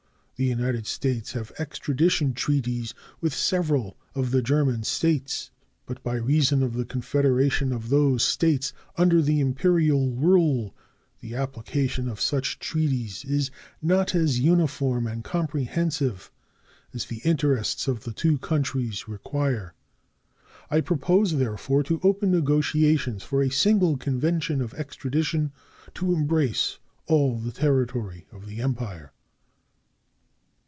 The United States have extradition treaties with several of the German States, but by reason of the confederation of those States under the imperial rule the application of such treaties is not as uniform and comprehensive as the interests of the two countries require. I propose, therefore, to open negotiations for a single convention of extradition to embrace all the territory of the Empire.